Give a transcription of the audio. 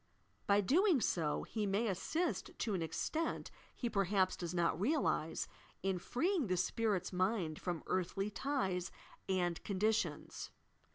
By doing so he may assist to an extent he perhaps does not realize in freeing the spirit's mind from earthly ties and conditions.